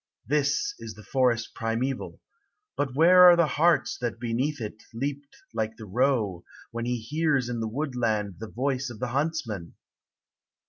This is the forest primeval ; but where are the hearts that beneath it Leaped like the roe, when he hears in the woodland the voice of the huntsman?